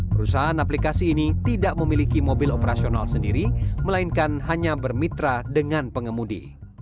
perusahaan aplikasi ini tidak memiliki mobil operasional sendiri melainkan hanya bermitra dengan pengemudi